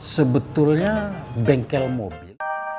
sebetulnya bengkel mobil